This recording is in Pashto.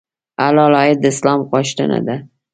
حلال عاید د اسلام غوښتنه ده.